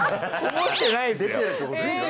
思ってないですよ。